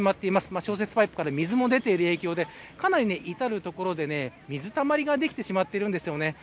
消雪パイプからも水も出ている影響でかなり至る所で水たまりができてしまっているんです。